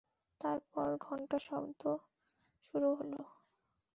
তারপর ঘন্টার শব্দ শুরু হল।